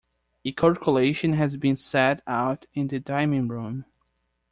A cold collation has been set out in the dining-room.